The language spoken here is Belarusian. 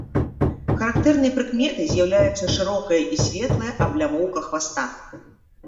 Характэрнай прыкметай з'яўляецца шырокая і светлая аблямоўка хваста.